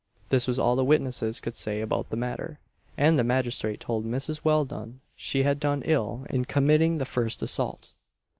This was all the witnesses could say about the matter, and the magistrate told Mrs. Welldone, she had done ill in committing the first assault.